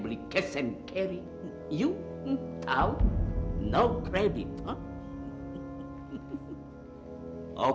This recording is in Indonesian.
dagang untuk rugi biasa